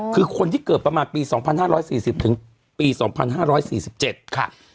คือคนที่เกิดประมาณปี๒๕๔๐ถึงปี๒๕๔๗ค่ะ